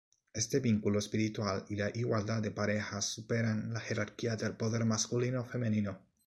Este vínculo espiritual y la igualdad de parejas superan la jerarquía del poder masculino-femenino.